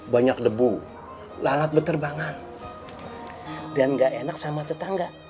banyak debu lalat beterbangan dan gak enak sama tetangga